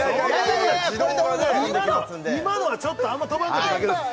今のはちょっとあんま飛ばんかっただけです